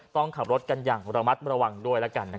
ต้องขับรถกันอย่างระมัดระวังด้วยแล้วกัน